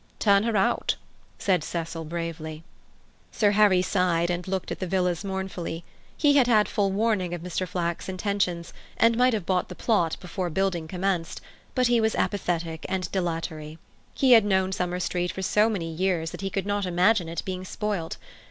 "Turn her out," said Cecil bravely. Sir Harry sighed, and looked at the villas mournfully. He had had full warning of Mr. Flack's intentions, and might have bought the plot before building commenced: but he was apathetic and dilatory. He had known Summer Street for so many years that he could not imagine it being spoilt.